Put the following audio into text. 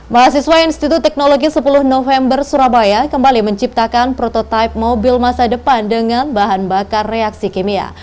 mahasiswa institut teknologi sepuluh november surabaya kembali menciptakan prototipe mobil masa depan dengan bahan bakar reaksi kimia